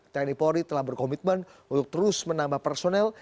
tni polri telah berkomitmen untuk terus menambah personel